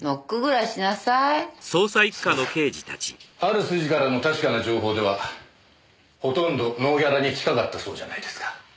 ある筋からの確かな情報ではほとんどノーギャラに近かったそうじゃないですか。